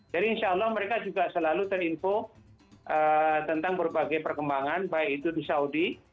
jadi insya allah mereka juga selalu terinfo tentang berbagai perkembangan baik itu di saudi